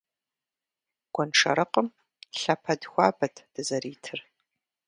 Гуэншэрыкъым лъэпэд хуабэт дызэритыр.